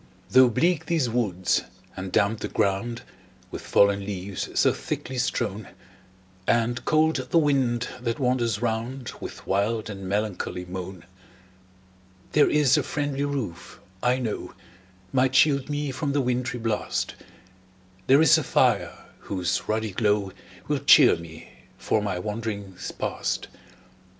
Though bleak these woods, and damp the ground With fallen leaves so thickly strown, And cold the wind that wanders round With wild and melancholy moan; There IS a friendly roof, I know, Might shield me from the wintry blast; There is a fire, whose ruddy glow Will cheer me for my wanderings past.